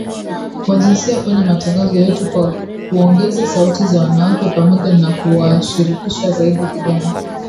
wa jinsia kwenye matangazo yetu kwa kuongeza sauti za wanawake pamoja na kuwashirikisha zaidi vijana